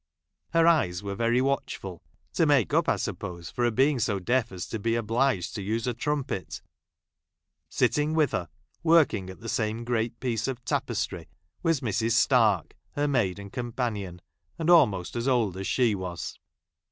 Her eyes were very watchful, to mjike up, I suppose, for her being so deaf as to be obliged to use a trumpet. Sitting with her, ■ft'orkiug at the same great piece of tapestry, was Mrs. Stark, her maid and companion, aud almost as old as she was.